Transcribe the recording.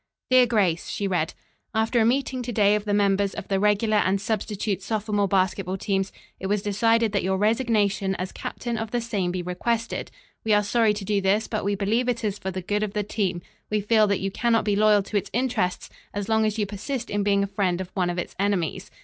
"Dear Grace," she read, "after a meeting to day of the members of the regular and substitute sophomore basketball teams, it was decided that your resignation as captain of the same be requested. "We are sorry to do this, but we believe it is for the good of the team. We feel that you cannot be loyal to its interests as long as you persist in being a friend of one of its enemies."